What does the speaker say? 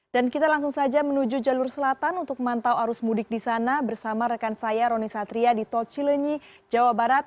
dan kita langsung saja menuju jalur selatan untuk mantau arus mudik di sana bersama rekan saya roni satria di tol cileni jawa barat